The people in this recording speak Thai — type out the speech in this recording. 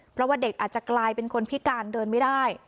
เพราะว่าเด็กอาจจะกลายเป็นคนพิการเดินไม่ได้